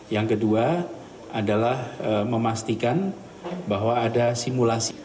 yang kedua adalah memastikan bahwa ada simulasi